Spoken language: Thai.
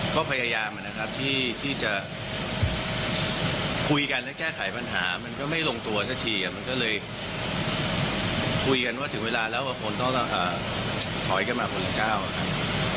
ก็พยายามนะครับที่จะคุยกันและแก้ไขปัญหามันก็ไม่ลงตัวสักทีมันก็เลยคุยกันว่าถึงเวลาแล้วคนต้องถอยกันมาคนละก้าวครับ